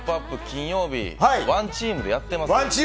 金曜日ワンチームでやってます。